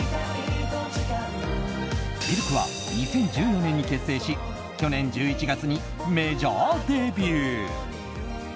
ＬＫは２０１４年に結成し去年１１月にメジャーデビュー。